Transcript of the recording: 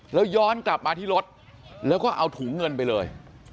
แล้วย้อนกลับมาที่รถแล้วก็เอาถุงเงินไปเลย